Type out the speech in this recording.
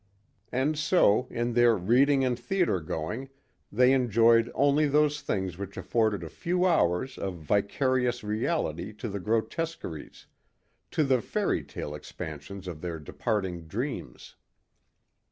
And so in their reading and theater going they enjoyed only those things which afforded a few hours of vicarious reality to the grotesqueries, to the fairy tale expansions of their departing dreams.